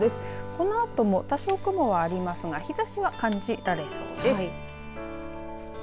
このあとも多少雲はありますが日ざしは感じられそうです。